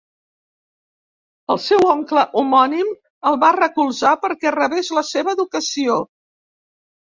El seu oncle homònim el va recolzar perquè rebés la seva educació.